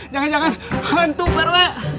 jangan jangan hantu pak